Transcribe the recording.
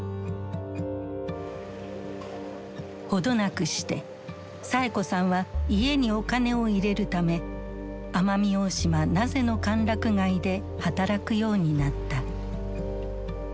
程なくしてサエ子さんは家にお金を入れるため奄美大島名瀬の歓楽街で働くようになった。